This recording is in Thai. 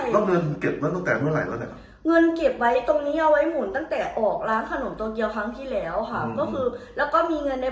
โคลินไม่ได้กลับมานี้๓๔เดือนได้